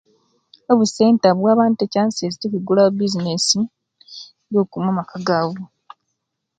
Obusenta buwa abantu ekyanses okuwigulawo ebizinesi jokuma amaka gabu